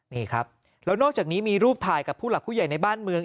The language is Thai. นี่ครับแล้วนอกจากนี้มีรูปถ่ายกับผู้หลักผู้ใหญ่ในบ้านเมือง